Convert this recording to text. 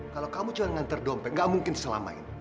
kalau kamu cuma ngantar dompet gak mungkin selama ini